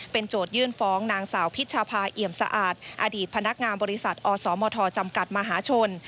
โจทยื่นฟ้องนางสาวพิชภาเอี่ยมสะอาดอดีตพนักงานบริษัทอสมทจำกัดมหาชน